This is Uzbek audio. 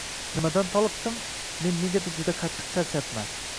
Nimadan toliqdim — men negadir juda qattiq charchabman…